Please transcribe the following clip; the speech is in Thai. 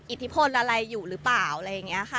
อิทธิพลอะไรอยู่หรือเปล่าอะไรอย่างนี้ค่ะ